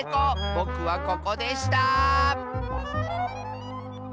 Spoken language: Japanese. ぼくはここでした！